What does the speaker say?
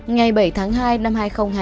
ngày bảy tháng hai năm hai nghìn hai mươi